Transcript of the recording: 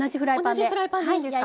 同じフライパンでいいんですか？